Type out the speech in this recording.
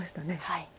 はい。